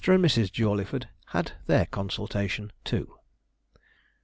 and Mrs. Jawleyford had their consultation too.